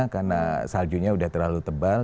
karena saljunya udah terlalu tebal